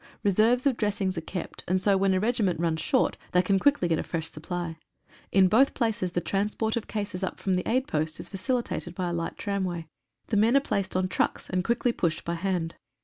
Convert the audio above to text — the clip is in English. Reserves of dressings are kept, and so when a regiment runs short, they can quickly get a fresh supply. In both places the transport of cases up from the aid post is facilitated by a light tramway. The men are placed on trucks, and quickly pushed by hand.